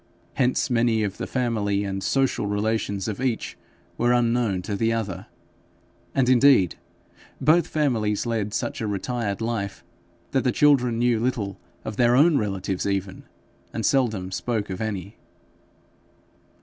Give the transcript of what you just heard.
Hence many of the family and social relations of each were unknown to the other; and indeed both families led such a retired life that the children knew little of their own relatives even, and seldom spoke of any.